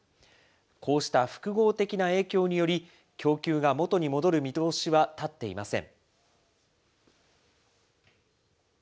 こうした複合的な影響により、供給が元に戻る見通しは立っていません。